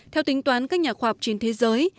theo tính toán các nhà khoa học trên thế giới